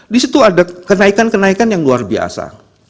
disitu ada kenaikan kenaikan yang luar biasa